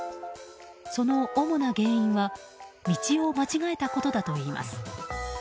その主な原因は道を間違えたことだといいます。